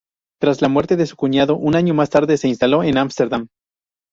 Tras la muerte de su cuñado un año más tarde, se instaló en Ámsterdam.